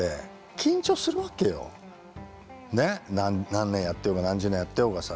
何年やってようが何十年やってようがさ。